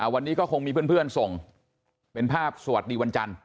วันนี้ก็คงมีเพื่อนส่งเป็นภาพสวัสดีวันจันทร์